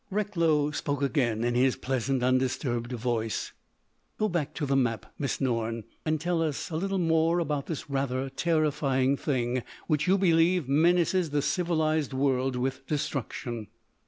Recklow spoke again in his pleasant, undisturbed voice: "Go back to the map, Miss Norne, and tell us a little more about this rather terrifying thing which you believe menaces the civilised world with destruction."